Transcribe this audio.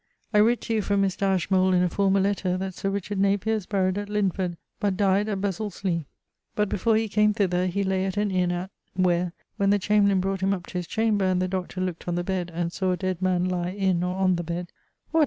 I writt to you from Mr. Ashmole in a former letter[AG] that Sir Richard Napier is buryed at Lindford, but died at Besels leigh; but before he came thither, he lay at an inne at ..., where, when the chamberlain brought him up to his chamber, and the Dr. look't on the bed and saw a dead man lye in or on the bed 'What!'